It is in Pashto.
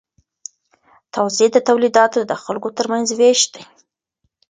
توزیع د تولیداتو د خلکو ترمنځ ویش دی.